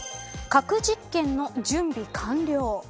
核実験の準備完了。